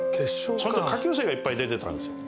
その時、下級生がいっぱい出てたんですよ。